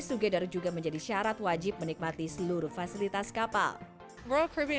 seluruh kru kapal juga menjalani pemeriksaan kesehatan rutin setiap minggunya